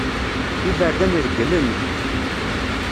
Iberdan regglen.